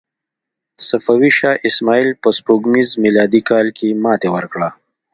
صفوي شاه اسماعیل په سپوږمیز میلادي کال کې ماتې ورکړه.